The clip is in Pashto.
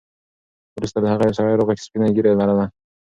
وروسته له هغه یو سړی راغی چې سپینه ږیره یې لرله.